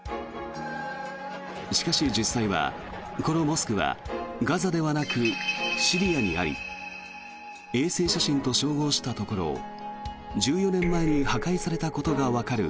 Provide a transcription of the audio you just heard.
しかし実際はこのモスクはガザではなくシリアにあり衛星写真と照合したところ１４年前に破壊されたことがわかる